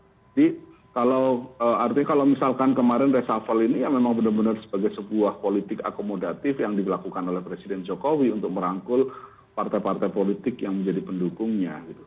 kalau artinya kalau misalkan kemarin reshuffle ini ya memang benar benar sebagai sebuah politik akomodatif yang dilakukan oleh presiden jokowi untuk merangkul partai partai politik yang menjadi pendukungnya gitu